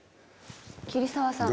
桐沢さん。